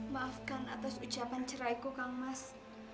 maafkan atas ucapan ceraiku kang mas